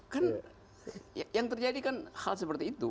kan yang terjadi kan hal seperti itu